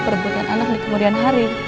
perebutan anak di kemudian hari